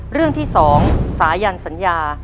เรื่องที่๒สายันสัญญา